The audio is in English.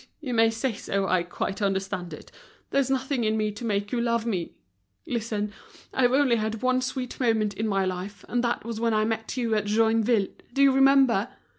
Oh! you may say so, I quite understand it. There's nothing in me to make you love me. Listen, I've only had one sweet moment in my life, and that was when I met you at Joinville, do you remember?